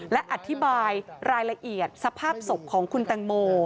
และอธิบายรายละเอียดสภาพศพของคุณแตงโม